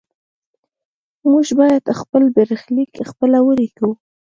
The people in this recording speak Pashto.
موږ باید خپل برخلیک خپله ولیکو.